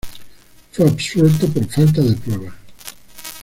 Fue absuelto por falta de pruebas.